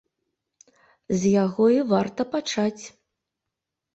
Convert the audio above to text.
З яго і варта пачаць.